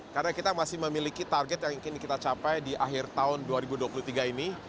karena kita masih memiliki target yang ingin kita capai di akhir tahun dua ribu dua puluh tiga ini